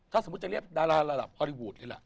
ถ้าสมมุติจะเรียกดาราระดับฮอลลี่วูดนี่แหละ